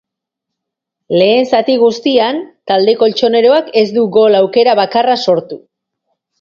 Lehen zati guztian, talde koltxoneroak ez du gol-aukera bakarra sortu.